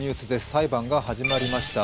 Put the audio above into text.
裁判が始まりました。